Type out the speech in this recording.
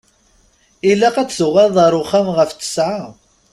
Ilaq ad d-tuɣaleḍ ɣer uxxam ɣef ttesεa.